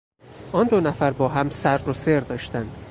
آن دو نفر با هم سر و سر داشتند.